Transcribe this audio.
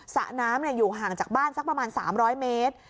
สระน้ำอยู่ห่างจากบ้านสักประมาณ๓๐๐เมตร